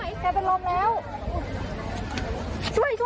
พี่ยกไม่ไหวเป็นลมแล้ว